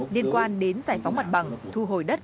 liên quan đến giải phóng mặt bằng thu hồi đất